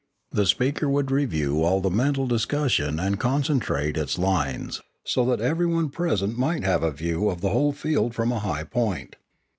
The speaker would review all the mental discussion and concentrate its lines, so that everyone present might have a view of the whole field from a high point.